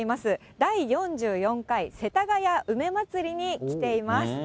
第４４回せたがや梅まつりに来ています。